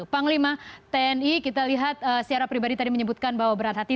panglima tni kita lihat secara pribadi tadi menyebutkan bahwa berat hati